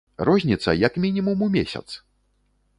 Розніца як мінімум у месяц!